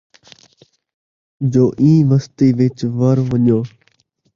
جو اِیں وَستی وِچ وَڑ وَن٘ڄو،